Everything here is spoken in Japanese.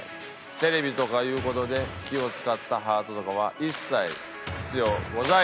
テレビとかいう事で気を使ったハートとかは一切必要ございません！